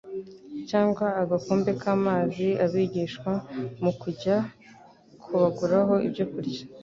cyangwa agakombe k’amazi. Abigishwa mu kujya kubaguraho ibyo kurya,